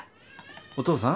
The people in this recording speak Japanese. お父さん？